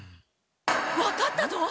分かったぞ！